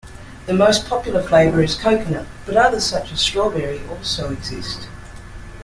The most popular flavor is coconut, but others such as strawberry also exist.